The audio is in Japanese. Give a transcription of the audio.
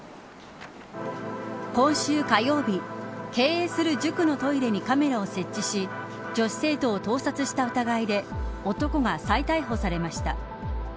今週火曜日経営する塾のトイレにカメラを設置し女子生徒を盗撮した疑いで男が再逮捕されました。